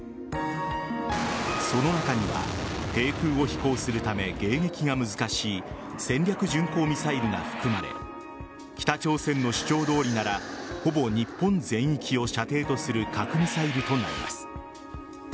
その中には低空を飛行するため迎撃が難しい戦略巡航ミサイルが含まれ北朝鮮の主張どおりならほぼ日本全域を射程とする核ミサイルとなります。